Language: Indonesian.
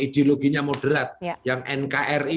ideologinya moderat yang nkri